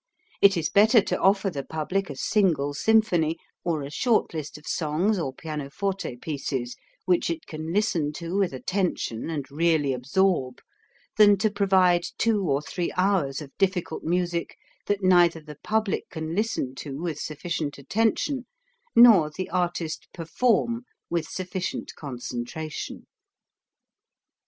It is better to offer the public a single symphony or a short list of songs or pianoforte pieces, which it can listen to with attention and really absorb, than to provide two or three hours of difficult music that neither the public can listen to with sufficient attention nor the artist perform with sufficient concentration.